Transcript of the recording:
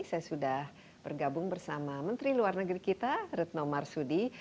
saya sudah bergabung bersama menteri luar negeri kita retno marsudi